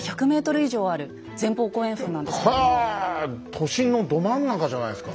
都心のど真ん中じゃないですか。